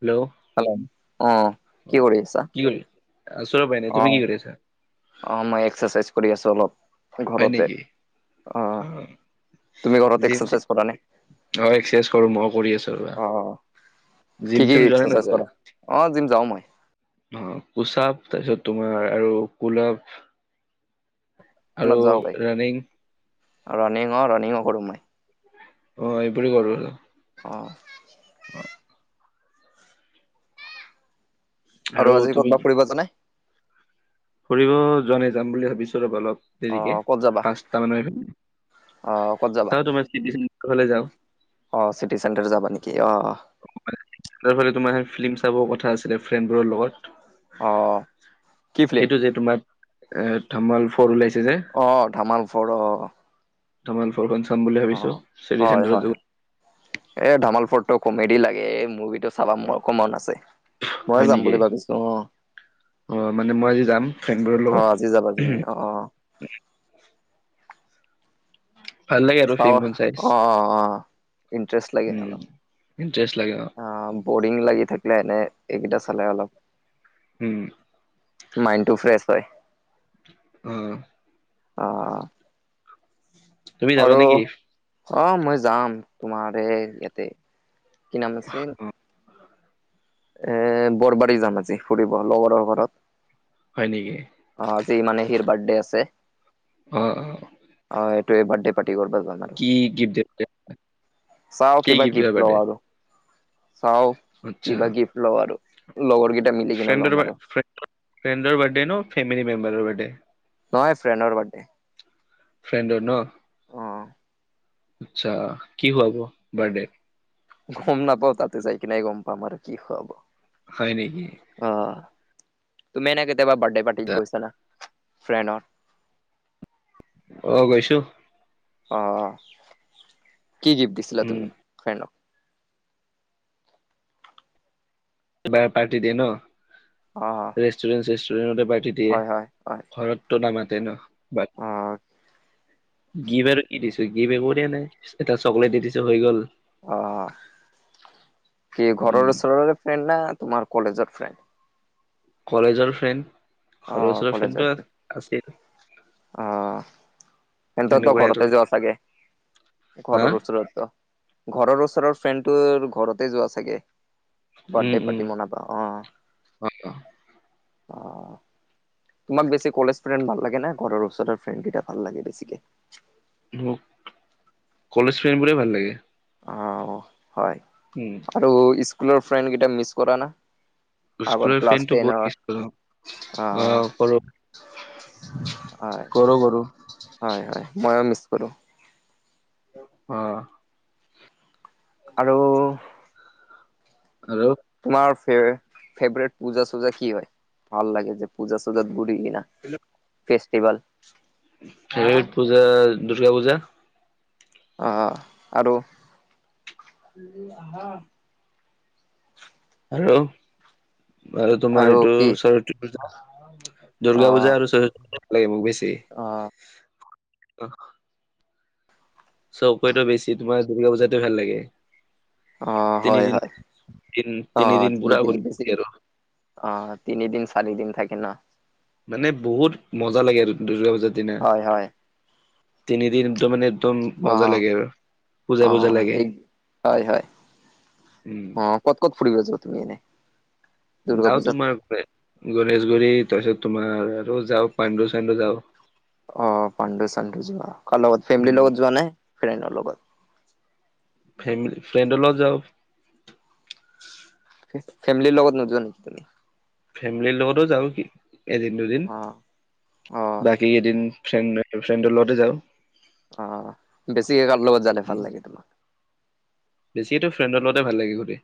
Hello. Hello. অঁ, কি কৰি আছা? আছোঁ এনে বাহিৰতে। তুমি কি কৰিছা? অঁ, মই এক্সাৰচাইজ কৰি আছো অলপ ঘৰতে। অ অঁ। তুমি ঘৰত জিম- চিম এক্সাৰচাইজ কৰা নে? অঁ, এক্সাৰচাইজ কৰো মই, কৰি আছো ৰবা। অ জিম- চিম যোৱা নে নোযোৱা? অঁ, জিম যাওঁ মই। অ, পুচাপ, তাৰপিছত তোমাৰ আৰু কোলাভ। আৰু ৰাণিং। ৰানিঙ অ ৰানিঙো কৰোঁ মই। [inaudible] অ, এইবোৰে কৰোঁ আৰু। অ। [unintelligible] আৰু আজি তুমি কতবা কি ফুৰিব? [unintelligible] ফুৰিব যোৱা নাই। যাম বুলি ভাবিছোঁ ৰবা অলপ। অ দেৰিকে ক'ত যাবা পাঁচটা মান। অ ক'ত যাবা? চাও তোমাৰ [unintelligible] যাওঁ। অ, চিটি চেণ্টাৰ যাবা নেকি? অ, অ। তাৰ ফালে তোমাৰ হে ফিল্ম চাবৰ কথা আছিলে, ফ্ৰেণ্ডবোৰৰ লগত। অ কি ফিল্ম? সেইটো যে তোমাৰ, এ ধমল ফৰ ওলাইছে যে। অ, ধামাল ফৰ, অ। ধামাল ফৰখন চাম বুলি অ ভাবছো, চি টি হয় হয় চেণ্টাৰত। এ, ধামাল ফৰটো কমেডি লাগে। এই মুভিটো চাবা মোৰ খুব মন আছে। ময়ে হয় যাম নেকি বুলি ভাবিছো অ'। অ', মানে মই আজি যাম, ফ্ৰেণ্ডবোৰৰ অ লগত। আজি যাবা তুমি অ [inaudible] অ ভাল লাগে আৰু চাও ফিল্ম খন চাই। অ অ অ ইণ্টাৰেষ্ট লাগে উম, অলপ ইণ্ট্ৰেষ্ট লাগে অ। বৰিং লাগি থাকিলে এনে এইকেইটা চালে অলপ। উম। মাইণ্ডটো ফ্ৰেছ হয়। উম, উম। অ', অ'। তুমি যাবা নেকি? অ', মই যাম তোমাৰ এ ইয়াতে, কি নাম আছিল? এ, বৰবাৰী যাম আজি ফুৰিব লগৰৰ ঘৰত। হয় নেকি? অ', আজি মানে সিৰ বাৰ্তডে আছে। অ', অ। অ', এইোৱে বাৰ্থডে পাৰ্টি [unintelligible] কি গিফ্ট [unintelligible] চাও কি কিবা গিফ্ট দিবা লওঁ বাৰ্থডেত? আৰু চাও কি আচ্ছা বা গিফ্ট লও আৰু, লগৰকেইটা মিলি। কিনে ল'ম ফ্ৰেণ্ডৰ বা আৰু [inaudible] ফ্ৰেণ্ডৰ বাৰ্থডে ন ফেমিলি মেম্বাৰৰ বাৰ্থডে? নইয়, ফ্ৰেণ্ডৰ বাৰ্থডে। ফ্ৰেণ্ডৰ ন? অ আচ্ছা, কি খোৱাব বাৰ্থডেত? গম নাপাও। তাতে যাই কিনেহে গম পাম আৰু কি খুৱাব। হয় নেকি? অ'। তুমি এনে কেতিয়াবা বাৰ্থডে পাৰ্টিত গৈছা না, ফ্ৰেণ্ডৰ? অ', গৈছো। অ', অ'। কি গিফ্ট দিছিলা উম তুমি ফ্ৰেণ্ডক? এবাৰ পাৰ্টি দিয়ে ন? অ'। ৰেষ্টুৰেন্ট-চেষ্টুৰেণ্টতে পাৰ্টি দিয়ে। হয় হয় হয় ঘৰত ত' নামাতে ন? বা অ [inaudible] গিভ আৰু কি দিছোঁ গিভ একো দিয়া নাই, এটা চকলেট দি দিছোঁ হৈ গ'ল। অ', কি উম ঘৰৰ ওচৰৰে ফ্ৰেণ্ড না তোমাৰ কলেজৰ ফ্ৰেণ্ড। কলেজৰ ফ্ৰেণ্ড। ঘৰৰ অ', ওচৰৰ ফ্ৰেণ্ডো কলেজৰ আছিল ফ্ৰেণ্ড অ'। সেন্ততৰটো সেনেকুৱাই আৰু ঘৰতে যোৱা চাগে হা ঘৰৰ ওচৰত তো। ঘৰৰ ওচৰৰ ফ্ৰেণ্ডটো আৰু ঘৰতে যোৱা চাগে। উম বাৰ্থডে উম পাৰ্টি মনাবা অ'। তোমাক বেছি কলেজ ফ্ৰেণ্ড ভাল লাগে না ঘৰৰ ওচৰৰ ফ্ৰেণ্ডৰকেইটা ভাল লাগে বেছিকে। মোক, কলেজ ফ্ৰেণ্ডবোৰে ভাল লাগে। আও, হয়। উম। আৰু স্কুলৰ ফ্ৰেণ্ড কেইটা মিছ কৰা না। আগৰ স্কুলৰ ক্লাছ ফ্ৰেণ্ডটো বহুত টেনৰ মিছ কৰো অ', আ, কৰো। হয়, কৰো কৰো হয়, হয় ময়ো মিছ কৰোঁ। অ'। আৰু [inaudible] হেল্ল'। তোমাৰ ফেৰ-ফেভৰেট পূজা চূজা কি হয়। ভাল লাগে যে পূজা-চূজাত ঘুৰি কিনা। [inaudible] ফেষ্টিভেল হুম পূজা দুৰ্গা পূজা। অ', অ', আৰু। [inaudible] আৰু, আৰু তোমাৰ এইটো সৰতী পূজা। দুৰ্গা অ', পূজা আৰু চৰিত্ৰ পূজা লাগে মোক বেছি। অ', চবকতো বেছি তোমাৰ দূৰ্গা পূজা টো ভাল লাগে। অ', হয়, তিনিদিন হয় তিন অ', পুৰা তিনিদিন ঘূৰি বেছি। আৰু অ', তিনিদিন চাৰি দিন থাকে ন মানে বহুত মজা লাগে আৰু দুৰ্গা পূজাৰ দিনা হয়, হয় তিনিদিন তো মানে একদম মজা অ', লাগে আৰু পূজা পূজা জা অ', লাগে এই হয়, হয় উম। অ', ক'ত ক'ত ফুৰি যোৱা তুমি এনে? দুৰ্গা যাওঁ পূজাত? তোমাৰ গণেশগুৰি তাৰপিছত তোমাৰ আৰু যাওঁ পাণ্ডু চানণ্ডু যাওঁ। অ', পাণ্ডু চাণ্ডু যোৱা কাৰ লগত উম ফেমিলিৰ লগত যোৱা নাই ফ্ৰেণ্ডৰ লগত। ফেমিলি ফ্ৰেণ্ডৰ লগত যাওঁ। ফেমিলিৰ লগত নোযোৱা নেকি তুমি। ফেমিলিৰ লগতো যাও কি এদিন দুদিন। অ অ বাকী এেইদিন ফ্ৰেণ্ড ফ্ৰেণ্ডৰ লগতে যাওঁ। অ', বেছি কাৰ লগত জালে ভাল লাগে তোমাক। বেছিকেতো ফ্ৰেণ্ডৰ লগতে ভাল লাগে গোটেই।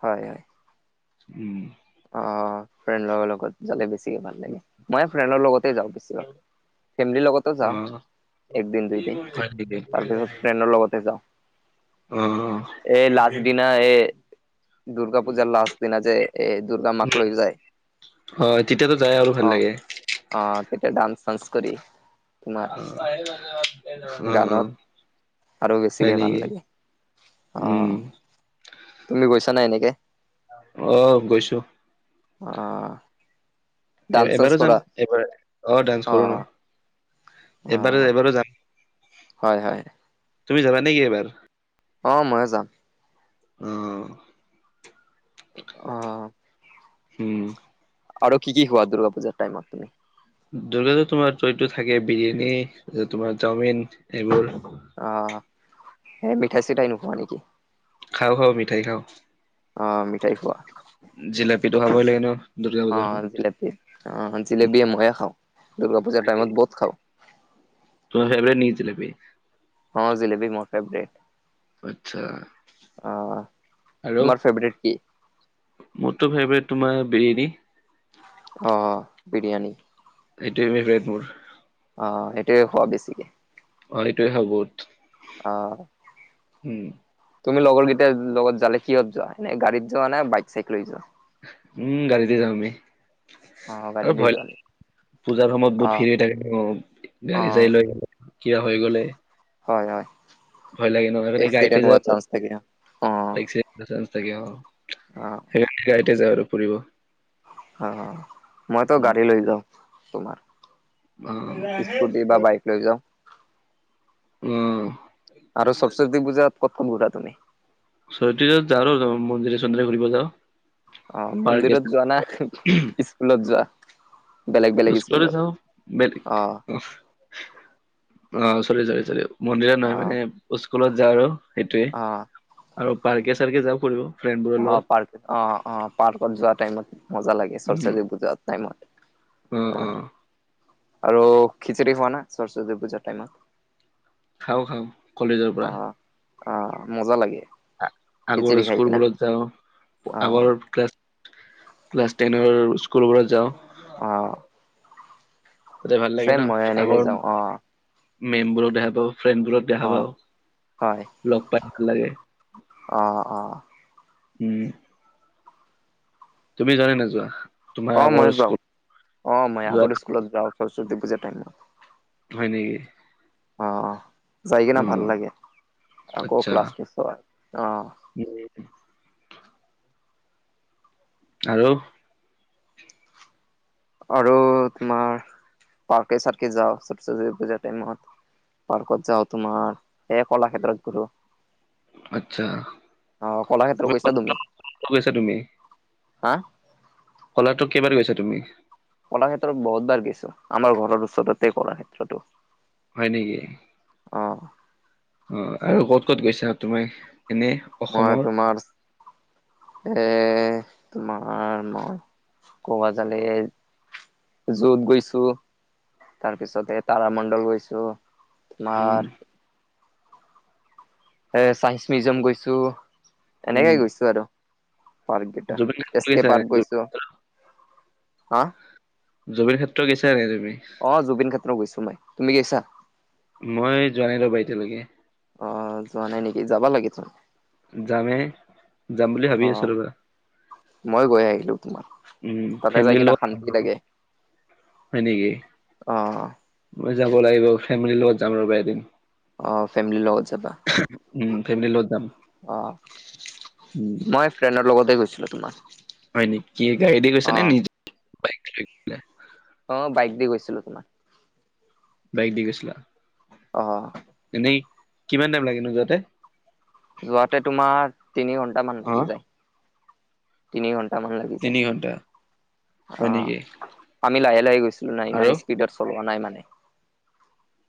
হয়। উম। অ', ফ্ৰেণ্ড লগৰ লগত। জালে বেছিকে ভাল লাগে মই ফ্ৰেণ্ডৰ লগতে যাওঁ বেছিভাগ ফেমিলিৰ লগত অ যাওঁ। একদিন দুইদিন হয় নেকি তাৰপিছত ফ্ৰেণ্ডৰ লগতে যাওঁ। অ এই লাষ্ট দিনা এই দুৰ্গা পূজাৰ লাষ্ট দিনা যে এ দুৰ্গা মাক উম লৈ যায় হ তেতিয়াতো যাই আৰু ভাল অ লাগে। অ তেতিয়া ডান্স-চান্স কৰি তোমাৰ অ অ গানত আৰু হয় বেছিকে ভাল নেকি লাগে। অ উম, তুমি গৈছা নাই এনেকে? অ গৈছো। অ এ ডান্স চান্স এবাৰো যাম কৰা এবাৰ অ ডান্স কৰো ন অ', অ এবাৰ এবাৰো যাম হয় হয় তুমি যাবা নেকি এইবাৰ? অ ময়ে যাম অ অ হম আৰু কি কি খোৱা দুৰ্গা পূজা টাইমত তুমি? দুৰ্গাটো তোমাৰটো এইটো থাকে বিৰিয়ানী, তোমাৰ চাওমিন এইবোৰ অ হে মিঠাই-চিঠাই নোখোৱা নেকি? খাওঁ খাওঁ মিঠাই খাওঁ। অ মিঠাই খোৱা। জিলাপিটো খাবই লাগে ন দুৰ্গা পূজাৰ সময়ত। অ'জেলেপি অ জেলেপিও ময়ে খাওঁ। দূৰ্গা পূজা টাইমত বহুত খাওঁ। [unintelligible] অ জেলেপি মোৰ ফেব্ৰেত আচ্ছা অ, আৰু তোমাৰ ফেব্ৰেত কি? মোৰতো ফেব্ৰেত তোমাৰ বিৰিয়ানী অ অ বিৰিয়ানী। এইটৱে মেভৰেট মোৰ। অ সেইটোয়ে খোৱা বেছিকে। অ সেইটোয়ে খাওঁ বহুত অহ উম, তুমি লগৰ কেইটাৰ লগত যালে কিহত যোৱা, এ গাড়ীত যোৱা নে বাইক চাইক লৈ যোৱা? উম গাড়ীতে যাওঁ আমি। অ', গাড়ী আৰু দি ভৈল যোৱা নেকি? পূজাৰ সময়ত বহুত অ', ফিৰি হৈ থাকে অ গাড়ী চাড়ী অ', লৈ। কিবা হৈ গ'লে হয় হয়। ভয় লাগে নহয় সেইকাৰণে গাড়িতে এক্সিডেণ্ট যাও হোৱাৰ আৰু চান্স থাকে অ', বাইক চাইক নাযাওঁ ছাগে অ অ ডেইলী গাড়ীতে যাওঁ আৰু ফুৰিব। অ অ মইতো গাড়ী লৈ যাওঁ তোমাৰ স্কুটি বা বাইক লৈ যাওঁ। অ আৰু সৰস্বতী পূজাত ক'ত ক'ত ঘূৰা তুমি? সৰস্বতী পূজাত যাওঁ মন্দিৰে চন্দিৰে ঘূৰিব যাওঁ অ পাৰ্কে মন্দিৰত যোৱা না স্কুলত যোৱা? বেলেগ বেলেগ স্কুলতে স্কুলত যাওঁ বেলেগে অ অ', চৰি চৰি চৰি, মন্দিৰত নহয় অ', মানে স্কুলত যা আৰু। সেইটোয়ে, অ', আৰু পাৰ্কে চাৰ্কে যাওঁ ফুৰিব। ফ্ৰেণ্ডবোৰৰ অ', লগত পাৰ্ক অ' অ' পাৰ্কত যোৱা টাইমত, মজা লাগে। [unintelligible] উম বুজা টাইমত, অ অ হয়। আৰু খিচিৰি খোৱা না সৰস্বতী পূজাৰ টাইমত? খাওঁ খাওঁ। কলেজৰ পৰা অ', অ' মজা লাগে। আ আগৰ খিচিৰি খাই স্কুল কিনা বোৰত যাওঁ, অ', আগৰ ক্লাছত ক্লাছ টেনৰ স্কুলবোৰত যাওঁ। অ'। তাতে ভাল লাগে চেম ন মই এনেকে আগৰ, যাওঁ অ', মেমবোৰক দেখা পাওঁ, ফ্ৰেণ্ড বোৰক দেখা অ', পাওঁ, হয় লগ পাই ভাল লাগে। অ অ উম। তুমি যোৱা নে নোযোৱা? তোমাৰ অ', আগৰ মই যাওঁ, স্কুল অ' মই যোৱা আগতে স্কুলত যাওঁ সৰস্বতী পূজা টাইমত। হয় নেকি? অ', অ', যাই কিনে ভাল অ লাগে, আকৌ আচ্ছা ক্লাছ [unintelligible] অ'। উম, আৰু? আৰু তোমাৰ পাৰ্কে চাৰ্কে যাওঁ সৰস্বতী পূজা টাইমত। পাৰ্কত যাওঁ, তোমাৰ এ কলাক্ষেত্ৰত গ'লো। আচ্ছা অ', কলাক্ষেত্ৰ গৈছা তুমি, কলেজত গৈছা তুমি হা? কলাক্ষেত্ৰত কেইবাৰ গৈছা তুমি? কলাক্ষেত্ৰত বহুত বাৰ গৈছোঁ, আমাৰ ঘৰৰ ওচৰতেই কলাক্ষেত্ৰতো। হয় নেকি? অ'। অ', আৰু ক'ত ক'ত গৈছা, তুমি এনে? মই অসমৰ তোমাৰ, এ তোমাৰ মই গোৱা জালে। যোত গৈছো, তাৰপিছতে তাৰামণ্ডল গৈছো। উম তোমাৰ এ চাইন্স মিউজিয়াম গৈছো, উম এনেকে গৈছো আৰু। পাৰ্ক কেইটা জুবিন এছ ক্ষেত্ৰ কে গৈছা পাৰ্ক গৈছো, হা? জুবিৰ ক্ষেত্ৰ গৈছা না তুমি? অ', জুবিন ক্ষেত্ৰ গৈছো মই, তুমি গৈছা? মই যোৱা নাই ৰ'ব এতিয়ালৈকে। অ' যোৱা নাই, নেকি যাবা লাগেটো। যামে, যাম বুলি ভাবি অ আছোঁ ৰ'বা। মই গৈ আহিলো তোমাৰ। উম তাতে যাই ফেমিলিৰ কিনা শান্তি লগত, লাগে হয় নেকি? অ মই যাব লাগিব, ফেমিলিৰ লগত যাম ৰ'বা এদিন। অ ফেমিলিৰ লগত যাবা উম, ফেমিলি লগত যাম, অ উম। মই ফ্ৰেণ্ডৰ লগতে গৈছিলো তোমাৰ। হয় নেকি গাড়ীতে গৈছে অ নে নিজে বাইক লৈ? গৈছিলা? অ', বাইক দি গৈছিলো তোমাৰ। বাইক দি গৈছিলা? অ'। এনেই কিমান টাইম লাগে নো যাওঁতে? যোৱাতে তোমাৰ তিনি ঘন্টামান অ'। লাগি যায়। তিনি ঘন্টামান লাগি যায়, তিনি ঘণ্টা হয় অ', নেকি আমি লাহে, লাহে গৈছোঁ। নাই ইমান আৰু স্পীডত চলোৱা নাই মানে।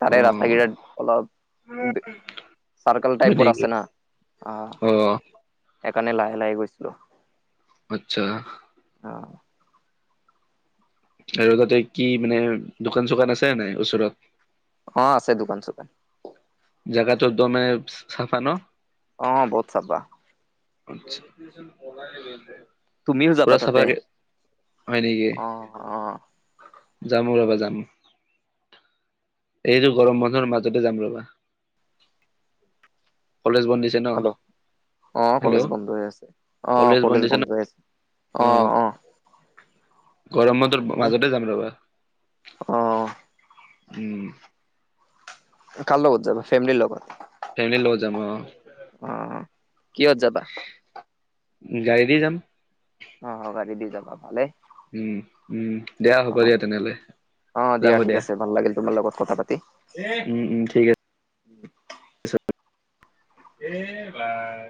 তাৰে ৰাস্তা অ'। কিটা অলপ [unintelligible] চাৰকাল হয় টাইপৰ নেকি আছে না, আহ, অ'। সেইকাৰণে লাহে, লাহে গৈছিলোঁ। আচ্ছা। অ'। আৰু তাৰ লগতে কি মানে, দোকান চোকান আছে নাই ওচৰত? অ', আছে দোকান-চোকান। জগাটো একদমে চাফা ন'? অ', বহুত চাফা। [unintelligible] তুমিও যাবা পুৰা তাতে চফাকে! হয় নেকি? অ অ যাম ৰ'বা যাম। এইটো গৰম বন্ধৰ মাজতে যাম ৰ'বা। কলেজ বন্ধ দিছে ন হাল্ল'? অ', কলেজ হেল্ল' বন্ধ হৈ আছে। অ', কলেজ বন্ধ আছে। অ', অ'। গৰম বন্ধৰ মাজতে যাম ৰ'বা অ উম। কাৰ লগত যাবা, ফেমিলিৰ লগত? ফেমিলিৰ লগত যাম অ অ', কিহত যাবা? গাড়ী দি যাম। অ', অ', গাড়ী দি যাবা, ভালেই। উম উম দিয়া হ'ব অ', দিয়া তেনেহ'লে অ', দিয়া ঠিক আছে ভাল লাগিল তোমাৰ লগত কথা পাতি। উম, উম, ঠিক আছে। এ, ভাই